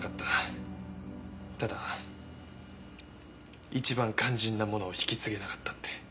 ただ一番肝心なものを引き継げなかったって。